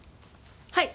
はい！